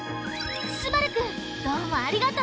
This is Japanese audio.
すばるくんどうもありがとう！